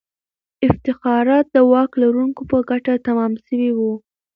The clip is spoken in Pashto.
افتخارات د واک لرونکو په ګټه تمام سوي وو.